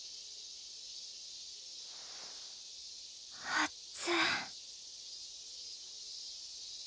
あっつ。